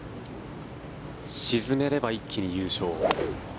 沈めれば一気に優勝。